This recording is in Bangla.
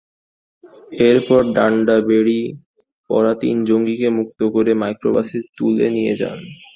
এরপর ডান্ডাবেড়ি পরা তিন জঙ্গিকে মুক্ত করে মাইক্রোবাসে তুলে নিয়ে যায়।